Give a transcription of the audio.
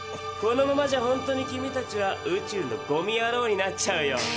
このままじゃほんとに君たちは宇宙のゴミやろうになっちゃうよ。